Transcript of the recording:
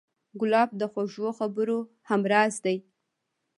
ګلاب د خوږو خبرو همراز دی.